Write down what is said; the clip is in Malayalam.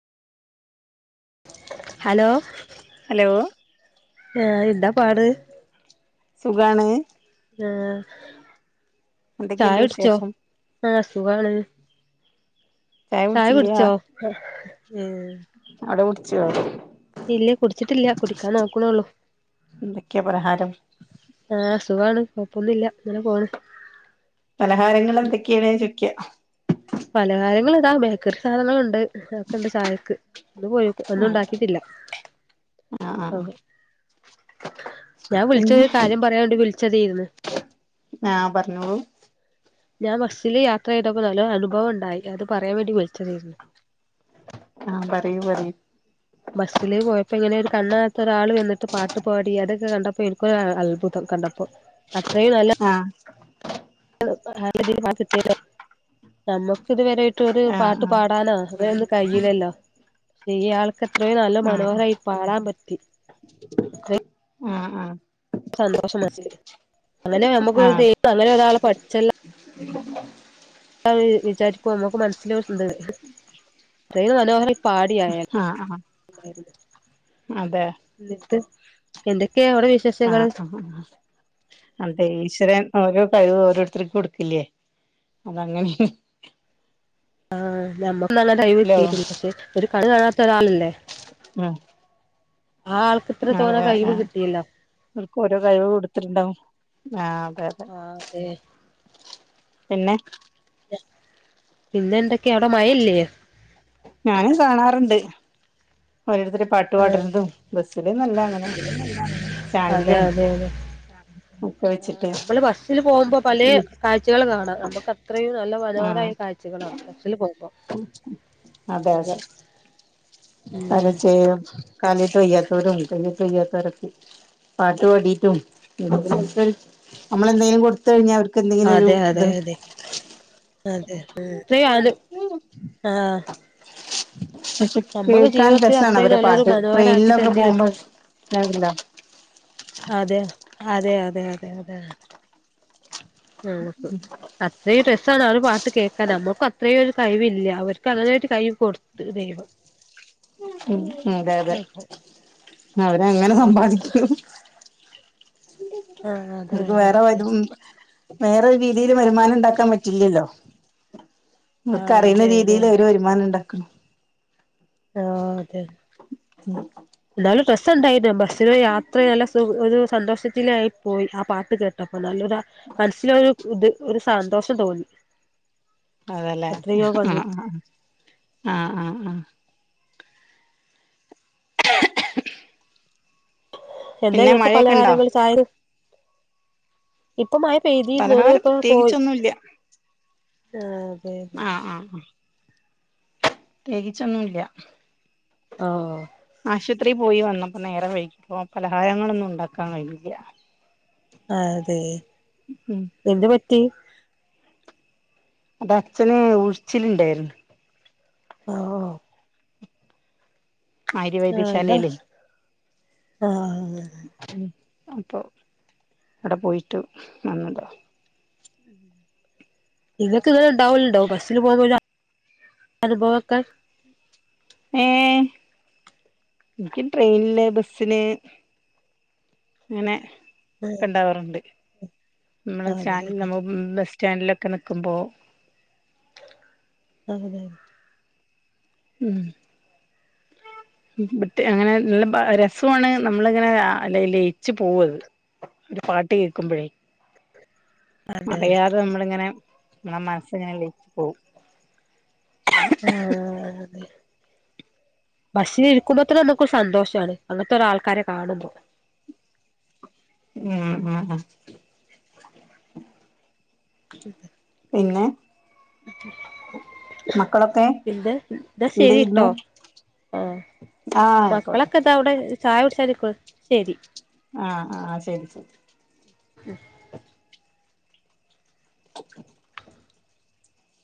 ഹലോ ഹലോ ആ എന്താ പാട് സുഖാണേ ആഹ് എന്തൊക്കെയുണ്ട് ചായടിച്ചോ വിശേഷം ആഹ് സുഖാണ് ചായ കുടിച്ചോ ഉം അവിടെ കുടിച്ചോ ഇല്ലേ കുടിച്ചിട്ടില്ല കുടിക്കാൻ നോക്കണള്ളൂ എന്തൊക്കെയാ പലഹാരം ആഹ് സുഖണ് കൊഴപ്പൊന്നുംല്ല അങ്ങനെ പോണ് പലഹാരങ്ങൾ എന്തൊക്കെയണേ ചോയ്ക്ക പലഹാരങ്ങൾ ഇതാ ബേക്കറി സാധനങ്ങളുണ്ട് ഒക്കെണ്ട് ചായക്ക് ഒ പോയി ഒന്നും ഉണ്ടാക്കിട്ടില്ല ആ ആ ആഹ് ഞാൻ പിന്നെ വിളിച്ചരു കാര്യം പറയാൻ വേണ്ടി വിളിച്ചതെന്ന് ആഹ് പറഞ്ഞോളൂ ഞാൻ ബസില് യാത്ര ചെയ്തപ്പോ നല്ലൊ അനുഭവം ഉണ്ടായി അത് പറയാൻ വേണ്ടി വിളിച്ചതായിരുന്നു ആഹ് പറയ് പറെയ് ബസ്സിില് പോയപ്പോ ഇങ്ങനെ ഒരു കണ്ണാകത്ത ഒരാൾ വന്ന്ട്ട് പാട്ട്പാടി അതൊക്കെ കണ്ടപ്പോ എനിക്കൊരു അത്ഭുതം കണ്ടപ്പോ അത്രയും നല്ല ആഹ് [unintelligible] നമ്മുക്ക് ഇതുവരൊയിട്ടരു ആ പാട്ട് ആ പാടാനാ അത് കയ്ല്ലല്ലോ പക്ഷെ ഈ ആൾക്ക അത്രയ നല്ല ആ മനഹരായി പരാ പറ്റി അത്ര ആഹ് ആഹ് സന്തോഷം മനസ്സിൽ അങ്ങനെ നമുക്ക് അങ്ങനെ ഒരാള് പഠിച്ചല്ലോ ഉ വിചാരിക്ക നമുക്ക് മനസ്സിലോരുണ്ട് അത്രയും മനോഹരയ് പാടിയായൽ ആ ആ അതെ [inaudible] ഇന്നട്ട് എന്തക്കെയാ അവടെ വിശ് ആഹ് ഹ് ഹ് ഹാ അന്റെ ഈശ്വരൻ ഓരോ കഴിവ് ഓരോരുത്തർക്ക് കൊടുക്കില്ലേ അതങ്ങനെ. ആ [unintelligible] കഴിവ് ലോ കിട്ടിട്ടില്ല. പക്ഷെ ഒരു കണ്ണ് കാണാത്ത ഒരാളല്ലേ? ഉം ആ ആൾക്ക് ഇത്ര അതെ തോനെ കഴിവ് ആ കിട്ടിയല്ലോ അവർക്ക് ഓരോ കഴിവ് കൊടുത്ത്ട്ട്ണ്ടാവും ആ അതെ അതെ. [unintelligible] പിന്നെ? പിന്നെ എന്തൊക്കെയ അഒടെ മഴയില്ലേ? ഞാനും കാണാറുണ്ട്. ഓരോര്ത്തര് പാട്ട് ആ പാട്ണതും ബസ്സ്ല് നല്ല അങ്ങനെ അതെ സ്റ്റാൻഡിലും അതെ അതെ ഒക്കെ വെച്ച് നമ്മള് ബസ്സിൽ പോകുമ്പോ പലേ കാഴ്ചകൾ കാണാം നമുക്ക് അത്രയും നല്ല ആഹ് മനോഹരായ കാഴ്ചകളാണ് ബസ്സിൽ പോയപ്പം [unintelligible] [unintelligible] വെയ്യാത്തോരും കഴ്ഞ്ഞ്ട്ട് വെയ്യാത്തോരൊക്കെ പാട്ട് പാടിട്ടും [unintelligible] നമ്മളെന്തേലും കൊടുത്ത് കഴിഞ്ഞാ അവർക്ക്ന്തെങ്കിലും ഒരു അതെ അതെ ഇത് അതെ അതെ ഉം [unintelligible] [unintelligible] ആഹ് പക്ഷെ [unintelligible] കേൾക്കാൻ ജീവിതത്തിൽ രസാണ് അത്രയും അവരെ നല്ലൊരു പാട്ട് മനോഹരാക്കി ട്രെയിനിലൊക്കെ തന്നിരു പോകുമ്പോ അതെ അതെ അതെ അതെ അതെ നമുക്ക് അത്രയും രസാണ് ആ ഒരു പാട്ട് കേക്കാൻ നമ്മുക്ക് അത്രയും ഒരു കഴിവില്ല. അവർക്ക് അങ്ങനായിട്ട് കഴിവ് കൊടുത്ത് ദൈവം. ഉം ഉം അതെ അതെ അപ്പൊ അവരെ അങ്ങനെ അതെ അതെ സമ്പാദിക്കുന്നു. ആഹ് അതെ അതെ അതെ [unintelligible] വേറൊരു രീതിയില് വരുമാനം ഇണ്ടാക്കാൻ പറ്റില്ലല്ലോ. അവർക്ക് ആഹ് അറിയുന്ന അതെ അതെ രീതിയിൽ അവര് വരുമാനം ഇണ്ടാക്ക്ണു. ആ അതെ ഉം എന്താലും ബസ്സ് ഇണ്ടായി ബസ്സിന് യാത്ര നല്ല സു ഒരു സന്തോഷത്തിനായി പോയി ആ പാട്ട് കേട്ടപ്പം നല്ലൊര മൻസ്സില് ഒരു ഇത് ഒരു സന്തോഷം തോന്നി. അതല്ലേ അത്രയോ ഭംഗി [unintelligible] ആഹ് ആഹ് ആഹ് [unintelligible] എന്തേ പിന്നെ ഇങ്ങക്ക് മഴയൊക്കെ ഉണ്ടോ പലകാരങ്ങൾ ചായേല്? ഇപ്പം മഴ പെയ്തിയിരുന്നു പലഹാരം [unintelligible] പോയി പ്രത്യേകിച്ചൊന്നുംല്ല ആ അതെ അതെ. ആഹ് ഉം പ്രത്യേകിച്ചൊന്നുംല്ല. ആഹ് ആശുത്രി പോയി വന്നപ്പം നേരം വെയ്കിപ്പം പലഹാരങ്ങളൊന്നും ഉണ്ടാക്കാൻ കഴിഞ്ഞില്ല. അതെ ഉം എന്ത് പറ്റി? അത് അച്ഛന് ഉഴിച്ചില്ണ്ടായിരുന്ന്. [unintelligible] ആര്യ ആഹ് എന്നാ വൈദ്യശാലേലേ. ആഹ് അപ്പൊ എവിടെ പോയിട്ട് വന്നതാ നിങ്ങൾക്ക് ഇന്നല ഉണ്ടാവലുണ്ടാവും ബസ്സിൽ പോക പോല അനുഭവൊക്കെ ഏ എനിക്ക് ട്രെയിനില് ബസിന് ഇങ്ങനെ ആഹ് ഉണ്ടാവാറുണ്ട് നമ്മള് അതെ സ്റ്റാൻഡ അതെ നമ്മ ബസ് സ്റ്റാൻഡിലൊക്കെ നിൽക്കുമ്പോൾ അതെ ഉം അങ്ങനെ നല്ല രസമാണ് നമ്മളിങ്ങനെ അല്ല ലയിച്ച് പോവത് പാട്ട് കേക്കുമ്പോഴേ അറിയാതെ നമ്മളിങ്ങനെ നമ്മളുടെ മനസ്സിങ്ങനെ ലയിച്ച് പോകും ആഹ് അതെ ബസ്സിൽ ഇരിക്കുമ്പോത്തന്നെ നമുക്ക് സന്തോഷമാണ് അങ്ങനത്തെ ഒ ഒരു ആൾക്കാരെ കാണുമ്പോൾ ഉം ഉം [inaudible] പിന്നെ മക്കളൊക്കെ ഇന്താ ന്നാ എന്ത് ചെയ്യുന്നു ശരിട്ടോ ആഹ് ആഹ് ആയിക്കോട്ടെ മക്കളൊക്കെ ഇതാ അവിടെ ചായ കുടിക്കാൻ ശരി ആഹ് ആഹ് ശരി ശരി [unintelligible]